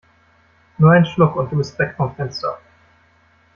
Nur ein Schluck und du bist weg vom Fenster!